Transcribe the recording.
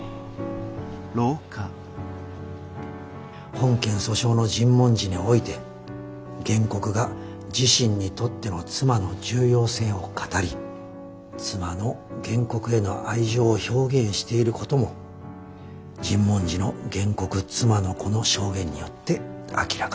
「本件訴訟の尋問時において原告が自身にとっての妻の重要性を語り妻の原告への愛情を表現していることも尋問時の原告妻の子の証言によって明らかである」。